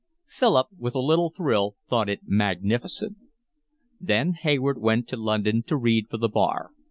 Philip, with a little thrill, thought it magnificent. Then Hayward went to London to read for the Bar.